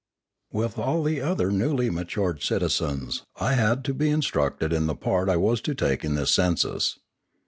With all the other newly matured citizens, I had to be instructed in the part I was to take in this census.